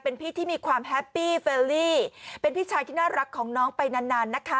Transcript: เป็นพี่ที่มีความแฮปปี้เฟลลี่เป็นพี่ชายที่น่ารักของน้องไปนานนานนะคะ